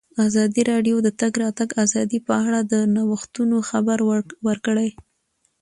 ازادي راډیو د د تګ راتګ ازادي په اړه د نوښتونو خبر ورکړی.